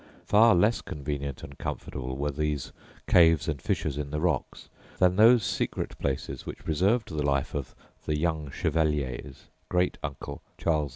Far less convenient and comfortable were these caves and fissures in the rocks than those secret places which preserved the life of the "young chevalier's" great uncle Charles II.